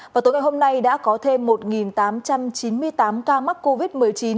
và tối ngày hôm nay đã có thêm một tám trăm chín mươi tám ca mắc covid một mươi chín